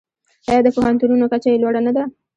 آیا د پوهنتونونو کچه یې لوړه نه ده؟